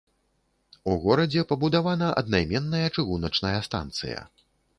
У горадзе пабудавана аднайменная чыгуначная станцыя.